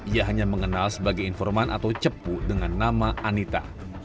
ia hanya mengenal sebagai informan atau cepu dengan nama anita